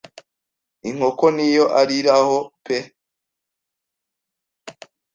inkoko niyo ariraho pe.